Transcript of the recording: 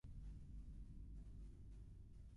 Done, conferisc i atorgue veu i vot per a tothom.